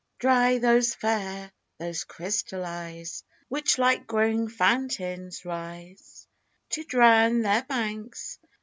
Dry those fair, those crystal eyes, Which like growing fountains rise To drown their banks!